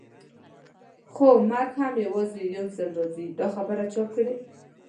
خو مرګ هم یوازې یو ځل راځي، دا خبره چا کړې؟